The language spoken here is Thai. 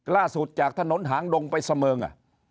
ล่าสุดจากถนนหางดงไปเสมอง